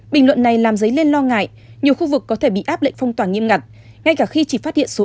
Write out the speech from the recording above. bình luận này làm giấy lên lo ngại nhiều khu vực có thể bị áp lệnh phong tỏa nghiêm ngặt ngay cả khi chỉ phát hiện số ít ca nhiễm